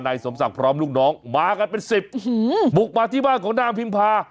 สมศักดิ์พร้อมลูกน้องมากันเป็นสิบบุกมาที่บ้านของนางพิมพา